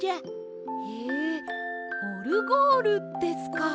へえオルゴールですか。